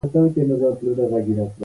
د بشپړتيا په لور خوځښت.